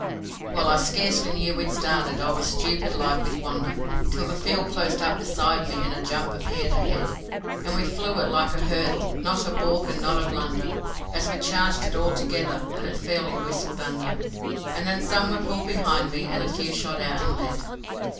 Well, I scarcely knew we'd started, I was stupid like with wonder Till the field closed up beside me and a jump appeared ahead. And we flew it like a hurdle, not a baulk and not a blunder, As we charged it all together, and it fairly whistled under, And then some were pulled behind me and a few shot out and led.